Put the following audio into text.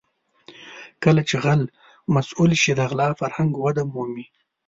کله چې غل مسوول شي د غلا فرهنګ وده مومي.